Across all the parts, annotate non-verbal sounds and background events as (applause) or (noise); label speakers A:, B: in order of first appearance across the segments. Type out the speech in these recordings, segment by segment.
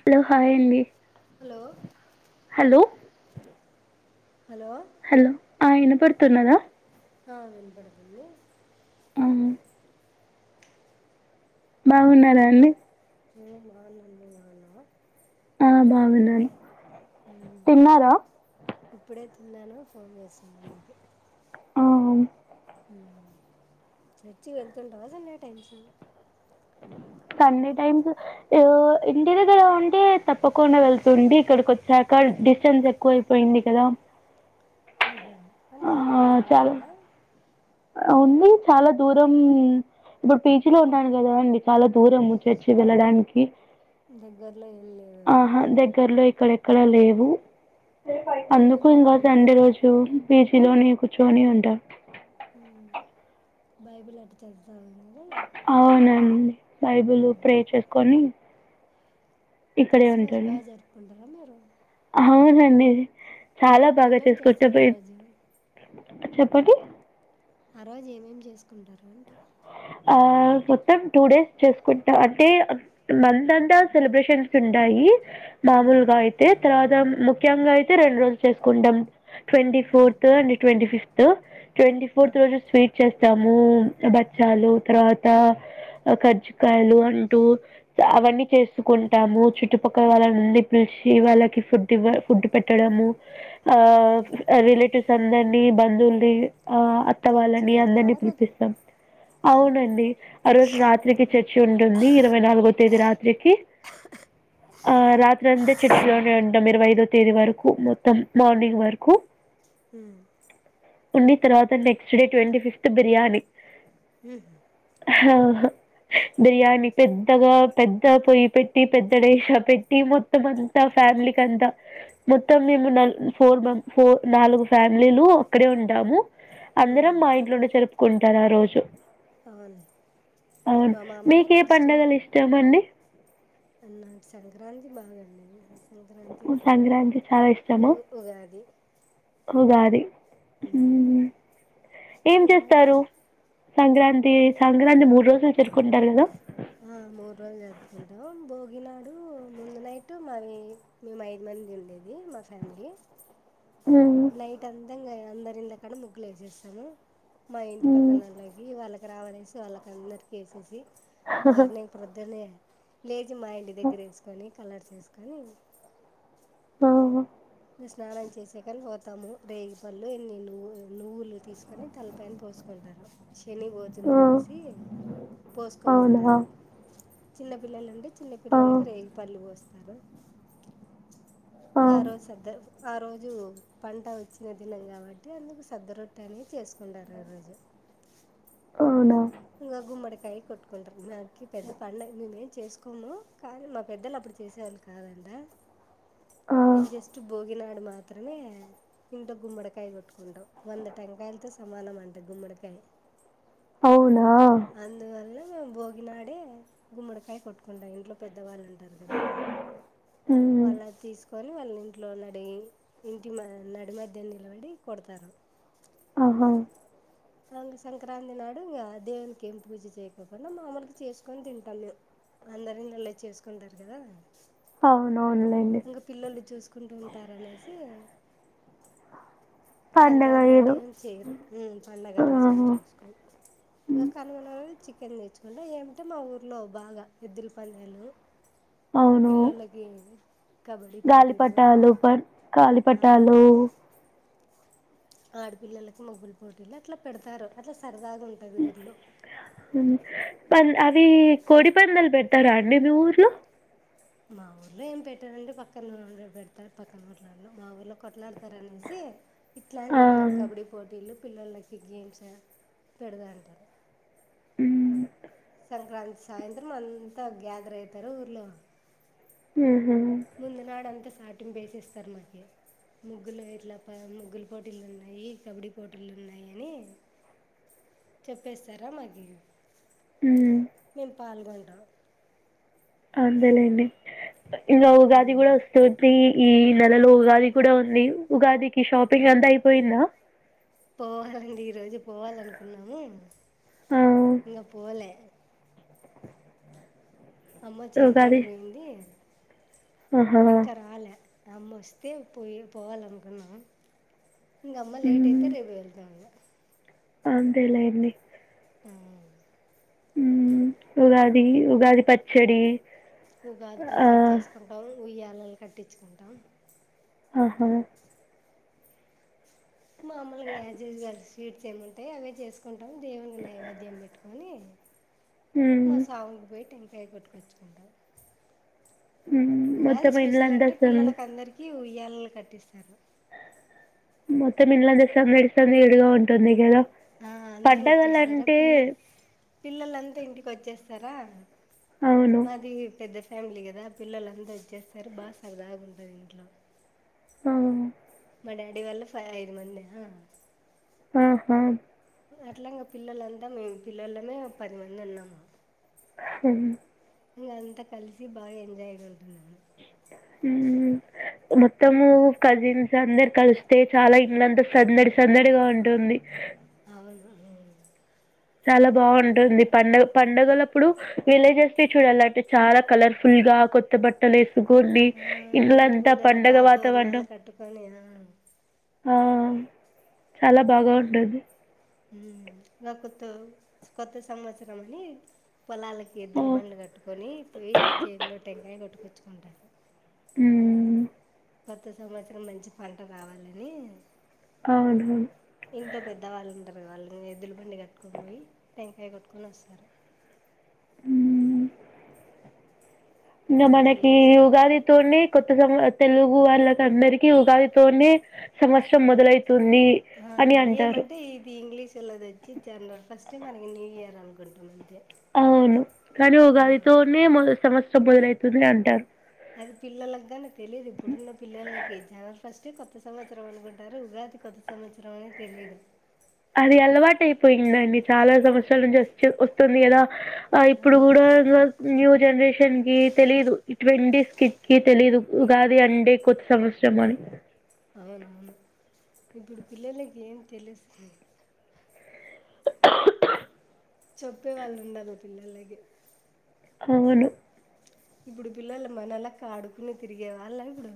A: Hello hi అండి
B: hello
A: hello
B: hello
A: hello ఆ వినపడుతుందా
B: ఆ వినపడుతుంది
A: ఆ బాగున్నారా అండి
B: నేను మానమ్మానా
A: ఆ బాగున్నాను
B: ఉమ్
A: తిన్నారా
B: ఇప్పుడే తిన్ తిన్నాను ఫోన్ (unintelligible)
A: ఆ
B: మ్మ్ చర్చి వెళ్తుంటావ సండే టైమ్స్
A: సండే టైమ్స్ యో ఇంటి దగ్గర ఉంటే తప్పకుండా వెళ్తుండి ఇక్కడికి వచ్చాక డిస్టెన్స్ ఎక్కువైపోయింది కదా.
B: ఆహా అంటే
A: ఆ చాలా
B: వెళ్ళేకుండదా
A: ఉంది చాలా దూరం ఇప్పుడు పీజిలో ఉన్నాను కదా అండి చాలా దూరము చర్చి వెళ్ళడానికి.
B: దగ్గర్
A: ఆహా దగ్గర్లో ఇక్కడెక్కడ లేవు మ్మ్
B: బైబిల్
A: అందుకు ఇంగా
B: చదువుకుంటా
A: సండే రోజు పీజీలోని కుర్చొని ఉంటా
B: హ్మ్ బైబిల్ అట చదువ్
A: అవునండి బైబిల్ ప్రే చేసుకొని ఇక్కడే
B: క్రిస్మస్
A: ఉంటాడు
B: బా జరుపుకుంటార మీర్ ఆ
A: అవునండి చాలా బాగా
B: ఏమేమి
A: చేసుకుంటాం
B: చేస్తారు ఆ
A: మేం
B: రోజు
A: చెప్పండి
B: ఆ రోజు ఏమేమి చేసుకుంటారు అంటి
A: ఆ మొత్తం టూ డేస్ చేసుకుంటా అంటే మంత్ అంతా సెలబ్రేషన్స్ ఉంటయి
B: ఉమ్.
A: మామూలుగా అయితే తర్వాత ముక్ ఖ్యంగా అయితే రెండు రోజులు చేసుకుంటాం ట్వంటీ
B: అవును
A: ఫోర్త్ అండ్ ట్వంటీ ఫిఫ్త్ త్ ట్వంటీ ఫోర్త్ రోజు స్వీట్ చేస్ తాము బట్ చాలు తర్వాత కర్జుకాయలు అంటూ అవన్నీ చేసుకుంటాము చుట్టుపక్కల వాళ్ళ నుండి పిలిచి వాళ్ళకి ఫుడ్ ఇవ్వ ఫుడ్ పెట్టడము ఆ రిలేటివ్స్ చందండి బంధవుల్ని ఆ అత్త
B: చర్చికి
A: వాళ్ళని
B: వెళ్తావా
A: అందరినీ
B: ఆ రోజు
A: పిలిపిస్తాం అవునండి ఆ రోజు రాత్రికి చర్చి ఉంటుంది ఇరవై నాలుగో తేదీ రాత్రికి ఆ రాత్రి అంతే చర్చిలోనే అన్ ఇరవై ఐదో తేదీ వరకు మొత్తం మార్నింగ్ వరకు
B: హు
A: ఉండి తర్వాత next day twenty fifth biryani
B: హ
A: ఆ బిర్యానీ పెద్దగా పెద్ద పొయ్యి పెట్టి పెద్దడేగ్షా పెట్టి మొత్తం అంతా ఫ్యామిలీకి అంతా మొత్తం మేము న ఫోర్ మె ఫోర్ నాలుగు ఫ్యామిలీలు అక్కడే ఉంటాము అందరం
B: ఉమ్,
A: మా ఇంట్లోనే జరుపుకున్ టారు ఆ రోజు
B: అవును
A: అవును
B: మా
A: మీక
B: మామగారు
A: ఏ
B: క్రిస్టియన్
A: పండగలు ఇష్టం అండి
B: నాకు సంక్రాంతి బాగండి సంక్రాంతి
A: సంక్రాంతి చాలా
B: ఉ
A: ఇష్టము
B: ఉగాది
A: ఉగాది
B: ఉమ్,
A: ఏం
B: ఉగాది
A: చేస్తారు సంక్రాంతి సంక్రాంతి మూడు రోజులు జరుకుంటారు కదా
B: ఆ మూడు రోజులు జరుపుకుంటాము భోగినాడు ముందు నైట్ మావి మేము ఐదు మంది ఉండేది మా ఫ్యామిలీ
A: మ్మ్.
B: నైట్ అందంగా యా అందరి ఇండ్ల కాడ ముగ్గులే సేస్తాము మా ఇంటి
A: మ్మ్.
B: పక్కనల్లకి వాళ్ళక్ రావ్ అనేసి వాళ్ళకి అందరికి వేేసేసి మార్నింగ్ ప్రొద్దునే లే మా ఇంటి దగ్గర ఏసుకొని కలర్ చేసుకని
A: ఓ హా
B: నేన్ స్నానం చేసే కల్ పోతాము రేగి పళ్లు ఎన్ని ఇన్ని నువ్వులు తీసుకొని తలపైన పోసుకుంటారు శని పోతుంది
A: ఆ,
B: అనేసి
A: అవునా
B: పోసుకోమంటారు
A: ఆ,
B: చిన్న పిల్లలు అండి చిన్న పిల్లలకి రేగి పళ్లు పోస్ అ
A: ఆ,
B: గారో సద్ద ఆ రోజు పంట వచ్చిన దినం కాబట్టి అందుకు సద్ద రొట్టె అనేది చేసుకుంటారు ఆ రోజు
A: అవునా
B: ఇంగ గుమ్మడికాయ కొట్టుకుంటున్నారు కి పెద్ద పండగలు ఇవి చేసుకోము కానీ మా పెద్దలు అప్పుడు చేసేవాళ్ళు కాదంట
A: ఆ,
B: మేం జెస్ట్ బో గినడు మాత్రమే ఇంటో గుమ్మడికాయ కొట్టుకుంటాం వంద టంకాయలతో సమానం అంట గుమ్మడికాయ
A: అవునా
B: భోగినడే గుమ్మడికాయ్ కొట్టుకుంటా ఇంట్లో పెద్దవాళ్ళుం టారూ కదా
A: మ్మ్.
B: వాళ్ళ తీసుక కొని వాళ్ళ ఇంట్లో డే ఇంటి మన నడి మధ్య నిలబడి కొడతారు
A: ఆహా
B: అంక్ సంక్రాంతి నాడు ఇంగా దేవునికి ఏం పూజ చేయకోకుండా మామలుకి చేసుకొని తింటాము మేం అందరిండ్లలే చేసుకుంటారు కదా
A: అవును
B: ఇంగా పిల్లలు చూసుకుంటూ ఉంటారనేసి
A: పండగ
B: సంక్రాంతి నాడు
A: ఏదో
B: ఏమి చేయరు ఉమ్ పండగ రోజు ఏం
A: ఆహా.
B: చేసుకోం ఇంగా
A: మ్మ్.
B: కనుమ నాడు చికెన్ దేచ్చుకుంట ఏమింటే మా ఊర్లో బాగా ఎద్దుల పన్ధ్యలు
A: అవును
B: కబడ్డీ పోటీలు
A: గాలిపటాలు పర్
B: ఆ
A: గాలిపటాలు
B: ఆడపిల్లలకి మగ్గులు పోటీలు అట్లా పెడతారు అట్లా సర్ దాగుంటది ఊర్లో
A: పం అవి కోడిపంధ్యలు పెటరా అండి మీ ఊర్లో
B: మా ఊర్లో ఏం పెట్టారుండి పక్కన పెడతారు పక్కన ఊర్లలో మా ఊర్లో కొట్లాడతారనేసి ఇట్లాంటి
A: ఆ
B: ఉన్నాయ్ కబడ్డీ పోటీలు పిల్లలకి గేమ్స్ పెడదాంటారు
A: హ్మ
B: సంక్రాంతి సాయంత్రం అంతా గ్యాదర్ అయితారు ఊర్లో
A: హ్మ
B: ముందు నాడంత స్ తటింపేసేస్తారు మాకి ముగ్గులు ఇట్లా ప ముగ్గులు పోటీలు ఉన్నాయి కబడ్డీ పోటీలు ఉన్నాయనీ చెప్పేస్తారా మాకి
A: మ్మ్
B: మేము పాల్గొం డ
A: అందేలేండి ఇగ ఉగాది కూడా వస్తుంది ఈ నెలలో ఉగాది కూడా ఉంది ఉగాదికి ఈ షాపింగ్ అంతా అయిపోయిందా
B: పోవాలండి ఈ రోజు పోవాలనుకున్నాము
A: ఆ
B: ఇంగ పోలే అమ్మ
A: ఉగాది
B: చేనుకాటుకు పోయింది
A: ఆహా
B: ఇంకా రాలే అమ్మ వొస్తే పోయి పోవాల అనుకున్నాను ఇంగ అమ్మ లేట్ అయితే
A: మ్మ్
B: రేపు వెళ్తాంగ
A: అంతేలేండి
B: ఆ
A: ఉగాది ఉగాది పచ్చడి
B: ఉగాది
A: ఆ
B: పచ్చడి చేసుకుంటావు ఉయ్యాలలు కట్టించుకుంటాం
A: ఆహా
B: మామూలుగా ఎప్పటిలాగానే స్వీట్స్ ఏమి ఉంటే అవే చేసుకుంటా దేవుని నైవేద్యం పెట్టుకొని
A: మ్మ్
B: మా సాంగ్ కు పోయి టెం పేగట్టుకొచ్చుకుంటావు
A: మ్మ్
B: ఉగాది
A: మొత్తం
B: స్పెషల్
A: ఇండ్లంతా
B: అంటే
A: సంద్
B: పిల్లలకి అందరికి యాలలు కట్టిస్తారు
A: మొత్తం ఇల్లంతా సందడి సందడిగా ఉంటుంది కదా
B: ఆ అందరూ వచ్చేస్తారా
A: పండగలంటే
B: పిల్ల పిల్లలంతా ఇంటికి వచ్చేస్తారా
A: అవును
B: మాది పెద్ద ఫ్యామిలీ కదా పిల్లలు అందరూ వచ్చేస్తారు బా సరదాగుంటది ఇంట్లో
A: అ
B: మా డాడీ వల్ల ఫై ఐదు మంది
A: ఆ హా
B: అట్లా ఇంకా పిల్లలంతా మేము పిల్లలమే పది మంది ఉన్నాము
A: హ
B: ఇ అంతా కలిసి బాగా ఎంజాయ్ అంది
A: ఉహూ మొత్తము కజిన్స్ అందరు కలిస్తే చాలా ఇల్లంతా సందడి సందడిగా ఉంటుంది
B: అవును
A: చాలా బాగుంటుంది పండగ పండుగలప్పుడు విలేజెస్ ని చూడాలి అంటే చాలా కలర్ఫుల్ గా కొత్త బట్టలు వేసుకో ఉండి
B: ఆ, ఇంటి
A: ఇల్లంతా
B: ముందర
A: పండగ
B: బాగా తోరణాలు
A: వాతావరణం
B: కట్టుకొని ఆ,
A: ఆ చాలా బాగా ఉంటుంది
B: నా కొత్త కొత్త సంవత్సరం అని పొలాలకి
A: ఆ
B: ఎద్దుల బండ్లు కట్టుకొని పోయి చేనులో టెంకాయ కొట్టుకొని
A: ఊ
B: కొత్త సంవత్సరం మంచి పంట రావాలని
A: అవునవును
B: ఇంట్లో పెద్దవాళ్ళు వాల్లే ఎద్దుల బండి కట్టుకొని పోయి టెంకాయ కొట్టుకొని వస్తారు
A: ఉమ్.
B: ఇట్లా
A: మనకి
B: చేసి
A: ఉగాదితోని కొత్త సంవ తెలుగు వాళ్ళకి అందరికీ ఉగాదితోనే సంవత్సరం మొదలై
B: ఆ ఏమంటే ఇది ఇంగ్లీషోల్లది వచ్చి జనవరి ఫస్ ట్ మనకి న్యూ ఇయర్ అనుకుంటాం అంతే
A: అవును కానీ
B: ఆ,
A: ఉగాదితోనే మొదటి సంవత్స సో బుదులైతుంది అంటారు
B: అది పిల్లలగ్గానీ తెలియదు ఇప్పుడున్న పిల్లలకి జనవరి ఫస్ట్ తే కొత్త సంవత్సరం అనుకుంటారు ఉగాది కొత్త సంవత్సరం అనే తెలీదు
A: అది అలవాటు అయిపోయిందండి చాలా సంవత్సరాల నుంచి వచ్చు వస్తుంది కదా. ఆ ఇప్పుడు కూడా (unintelligible) న్యూ జనరేషన్ కి తెలిదు ట్వంటీస్ కిడ్స్ కీ తెలీదు ఉగాది అంటే కొత్త సంవత్సరం అని
B: అవునవును ఇప్పుడు పిల్లలకి ఏం తెలుసు చెప్పే వాళ్ళు ఉండాలి పిల్లలకి
A: అవును
B: ఇప్పుడు పిల్లలు మన లెక్క ఆడుకుని తిరిగే వాల్లా ఇప్పుడు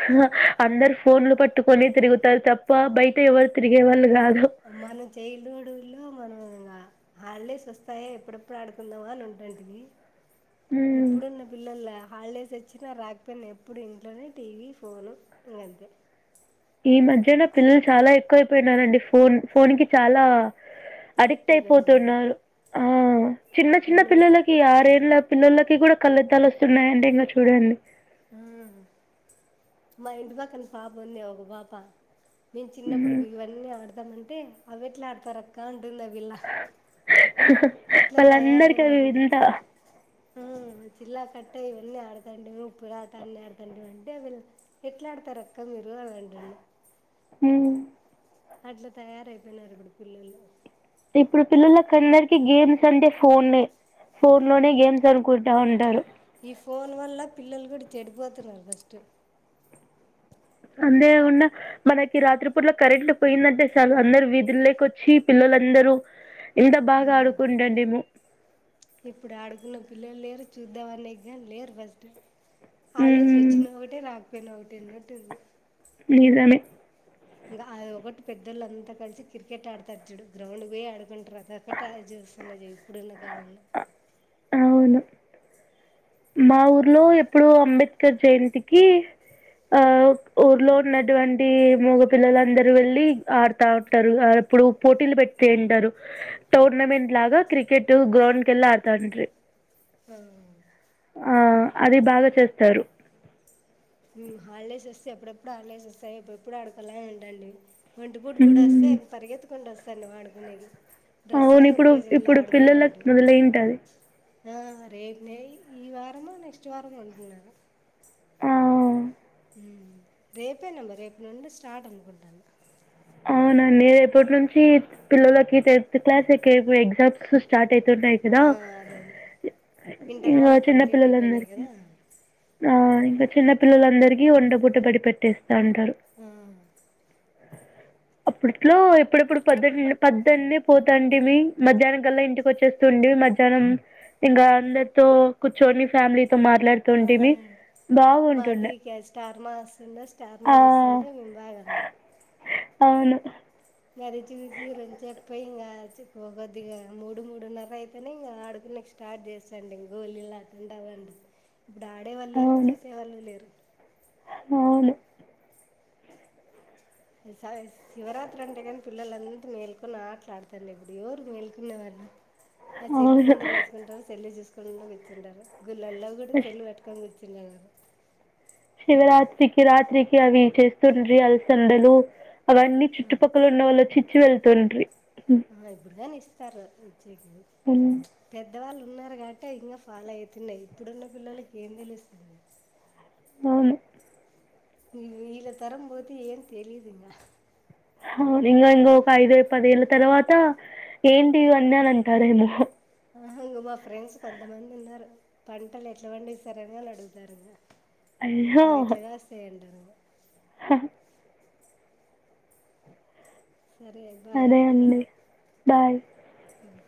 A: హ అందరు ఫోన్లు పట్టుకొని తిరుగుతారు తప్ప బయట ఎవరు తిరిగే వాళ్ళు గాద్
B: మనం చైల్డ్హుడ్ లో మనం ఇంగా హాలిడేస్ వస్తాయా ఎప్పుడెప్పుడు ఆడుకుందామా అని ఉంటంటమి
A: హ్మ్
B: ఇప్పుడున్న పిల్లోల్లా హాలిడేస్ వచ్చినా రాకపోయినా ఎప్పుడు ఇంట్లోనే టీవీ ఫోను ఇంగంతే
A: ఈ మధ్యన పిల్లలు చాలా ఎక్కువైపోయినారండి ఫోన్ ఫోన్ కి చాలా
B: అడక్ట్
A: అడిక్ట్
B: అయిపోయినారు
A: అయిపోతున్నారు ఆ చిన్న చిన్న
B: మనము
A: పిల్లలకి ఆరెండ్లప్ పిల్లోలకి కూడా కళ్లెద్దాలు వస్తున్నాయింటే ఇంగా చూడండి
B: ఉ మా ఇంటి పక్కన పాప ఉంది ఒక పాప మేం చిన్నప్పుడు
A: హ్మ్
B: బివన్నీ ఆడతామం టే అవేట్లాడతారక్క అంట్ టుంది ఆ పిల్ల అట్లా
A: వాళ్ళందరికీ అవి
B: తయారయినారు ఇప్పుడు
A: వింత
B: హ్మ్ చిల్లాకట్టే యివన్నీ ఆడతాండిము ఇప్పుడు ఆటాన్ని ఆడతాండిం అంటే వీళ్ ఎట్లా ఆడతారు అక్క మీరు అంటుండు
A: హ్మ్
B: అట్లా తయారయిపోయినారు ఇప్పుడు పిల్లొల్లు
A: ఇప్పుడు పిల్లలకందరికి గేమ్స్ అంటే ఫోనే ఫోనేలోనే గేమ్స్ అనుకుంటా ఉంటారు.
B: ఈ ఫోన్ వల్ల పిల్లలు కూడా చెడిపోతున్నారు ఫస్ట్
A: అంతేకుండా మనకి రాత్రిపూటల కరెంట్ పోయిందంటే చాలు అందరు వీధుల్లోకి వచ్చి పిల్లోలందరూ. ఎంత బాగా
B: మ్మ్.
A: ఆడుకుంటంటిమో
B: చూద్దాం అనేకి గానీ లేరు ఫస్ట్ హాలిడేస్
A: హ్మ్
B: వచ్చిన ఒకటే రాకు పోయిన ఒకటి అన్నట్టుంది
A: నిజమే
B: ఇంకా అది ఒకటి పెద్దోళ్ళంతా కలిసి క్రికెట్ ఆడతారుచూడు గ్రౌండ్కి పోయి ఆడుకుంటారు, అదొకటి జూస్సున్నది ఇప్పుడున్న. కాలంలో
A: అవును మా ఊర్లో ఎప్పుడు ఆమ్ అంబేద్కర్ జయంతికి ఆ ఊర్లో ఉన్నటువంటి మగపిల్లలుందరు వెళ్ళి ఆడుతా ఉంటారు అప్పుడు పోటీలు పెట్టింకెంటారు టోర్నమెంట్ లాగా క్రికెట్ గ్రౌండ్కి వెళ్ళి ఆడుతా ఉండ్రి
B: ఆ
A: ఆ అది బాగా చేస్తారు
B: హాలిడేస్ వస్తే ఎప్పుడెప్పుడు హాలిడేస్ వస్తాయి ఎప్పుడెప్పుడు అడుక్కోలా అని ఉంటుంటి ఒంటి పూట బడి వస్తే
A: హ్మ్
B: పరిగెతుకుంట వస్త వాడు ఆడుకునేకి డ్రెస్
A: అవును
B: కానీ
A: ఇప్పుడు
B: ఉప్పేసి వెళ్ళి
A: ఇప్పుడు పిల్లల మొదల అయింటది
B: ఆ రేపే ఈ వారమో నెక్స్ట్ వారమో అంటున్నార
A: ఆ!
B: రేపేనమ్మా రేపు నుండి స్టార్ట్ అనుకుంటాను
A: అవునండి రేపటినుంచి నుంచి పిల్లలకి టెన్త్ క్లాస్ ఎ ఎగ్జామ్స్ స్టార్ట్ అయితదా
B: ఆ, అదే అదే
A: ఇ
B: ఇంటర్ వాళ్ళకి
A: చిన్న
B: కంప్లీట్ అయిపోయినాయి
A: పిల్లందరికి
B: కదా
A: ఆ ఇంకా చిన్న పిల్లలందరికీ వంటపుట్టబడి పెట్టినారు అంటారు
B: ఆ,
A: అప్పుడుట్లో ఇప్పుడప్పుడు పద్ద పద్దన్న పోతాంటిమి మధ్యాహ్నం కల్లా ఇంటికి వచ్చేస్తు ఉండడి మధ్యాహ్నం ఇంకా అందరితో కూర్చోని ఫ్యామిలీ
B: ఆ
A: బాగుంటుండే
B: మాటీవీ స్టార్మా వస్తుంద స్టార్మా
A: ఆ
B: చూస్తా అంటే మేము బాగా
A: అవును
B: అది చూసి ఈ రెంు చెప్పయి ఇంకా చికో కొద్దిగా ఇ మూడు మూడున్నర అయితేనే ఇంకా ఆడుకునే స్టార్ట్ చేస్తాండి గోలీ లట త అవ్వండి ఇప్పుడు ఆడేవాళ్ళు లేరు
A: అవును
B: చూసే వాళ్ళు లేరు
A: అవును లే
B: స శివరాత్రి అంటే కానీ పిల్లలంతా మేల్కొని ఆటలా ఆడుతారు ఇప్పుడు ఎవరు మేల్కొనే వాళ్ళు ఆ సెల్లు
A: అవును
B: ముందర వేసుకుంటారు సెల్లు చూసుకు తొందర వచ్చి ఉంటారు గులలో కూడా సెల్లు వట్కూని చిన్నగా
A: శివరాత్రికి రాత్రికి అవి చేస్తుండ్రి అలసందలు అవన్నీ చుట్టుపక్కల ఉన్న వాళ్ళు వచ్చి చి ల్ తండ్రి
B: ఆ ఇప్పుడుగాని ఇస్తా స్తరు సిగ్గు
A: హ్మ్.
B: పెద్ద పెద్దవాళ్ళు ఉన్నారు కాబట్టి ఇంకా ఫాలో అయితున్నాయి ఇప్పుడున్న పిల్లలకి ఏం తెలుస్తుంది
A: అవును
B: ఈ ఇలతరం బోతే ఏమ్ తెలిదు ఇంగ
A: హ (inaudible) ఐదో పదేళ్ల తర్వాత ఏంటి ఇవన్నీ అని అంటారేమో
B: ఆహా ఇంగో మా ఫ్రెండ్స్ కొంతమంది ఉన్నారు పంటలు ఎట్లా పండిస్తారని వాళ్ళు అడుగుతారు ఇంగ అవి ఏట్లాగాస్తాయంటారు
A: హఆ
B: సరే బాయ్
A: అదే అండి. బాయ్
B: మ్మ్